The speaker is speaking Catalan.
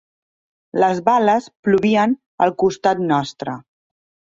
Les bales plovien al costat nostre.